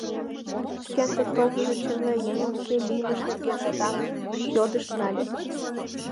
Кӧн дек толмыжо, черле еҥлан кӧ лиймыж нерген радамын йодышт нале.